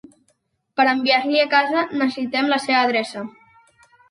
Per enviar-li a casa necessitem la seva adreça.